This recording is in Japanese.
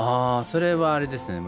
それはあれですね